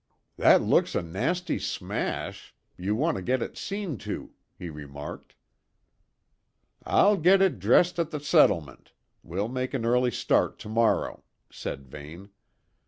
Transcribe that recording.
"That looks a nasty smash; you want to get it seen to," he remarked. "I'll get it dressed at the settlement; we'll make an early start to morrow," said Vane.